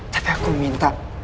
tapi aku minta